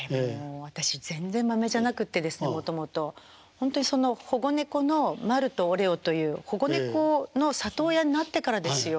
ほんとにその保護猫のマルとオレオという保護猫の里親になってからですよ。